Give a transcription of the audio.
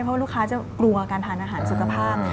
เพราะว่าลูกค้าจะกลัวการทานอาหารสุขภาพ